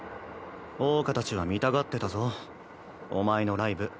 桜花たちは見たがってたぞお前のライブ。